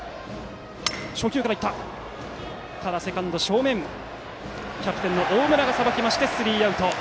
セカンドの正面キャプテンの大村がさばいてスリーアウト。